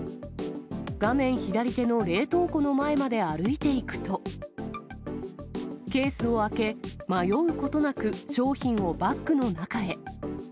画面左手の冷凍庫の前まで歩いていくと、ケースを開け、迷うことなく商品をバッグの中へ。